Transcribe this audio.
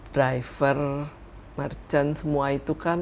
driver merchant semua itu kan